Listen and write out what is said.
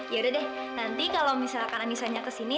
yaudah deh nanti kalau misalkan anissanya kesini